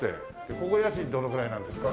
ここ家賃どのぐらいなんですか？